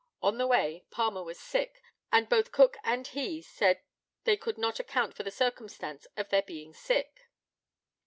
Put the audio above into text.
On the way Palmer was sick, and both Cook and he said they could not account for the circumstance of their being sick.